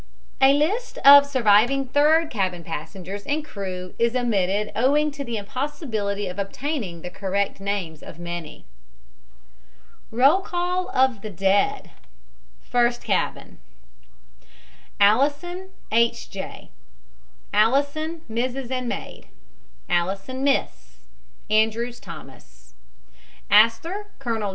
A list of surviving third cabin passengers and crew is omitted owing to the impossibility of obtaining the correct names of many. ROLL OF THE DEAD FIRST CABIN ALLISON, H. J. ALLISON, MRS., and maid. ALLISON, MISS. ANDREWS, THOMAS. ARTAGAVEYTIA, MR. RAMON. ASTOR, COL.